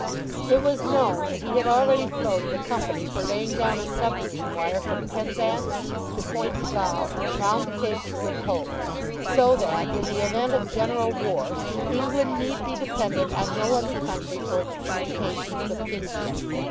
It was known that he had already floated a company for laying down a submarine wire from Penzance to Point de Galle, round the Cape of Good Hope, so that, in the event of general wars, England need be dependent on no other country for its communications with India.